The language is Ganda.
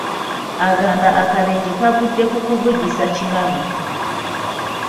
Agamba akabenje kavudde ku kuvugisa kimama .